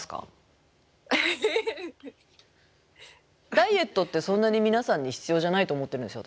ダイエットってそんなに皆さんに必要じゃないと思ってるんですよ